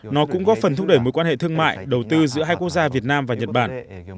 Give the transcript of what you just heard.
nó cũng góp phần thúc đẩy mối quan hệ thương mại đầu tư giữa hai quốc gia việt nam và nhật bản